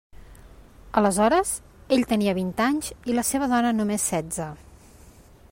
Aleshores, ell tenia vint anys i la seva dona només setze.